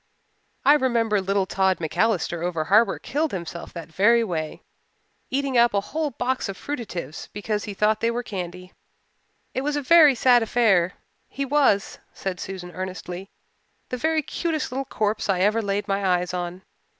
"I remember little Tod MacAllister over harbour killed himself that very way, eating up a whole box of fruitatives because he thought they were candy. It was a very sad affair. He was," said Susan earnestly, "the very cutest little corpse I ever laid my eyes on.